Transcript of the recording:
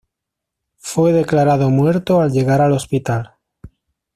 Fue declarado muerto al llegar al hospital.